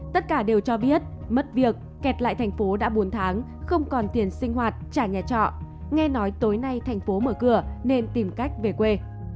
tất cả đều cho biết mất việc kẹt lại thành phố đã bốn tháng không còn tiền sinh hoạt trả nhà trọ nghe nói tối nay thành phố mở cửa nên tìm cách về quê